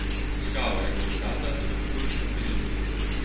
Цікава, як музыканты адкаментуюць кампазіцыю.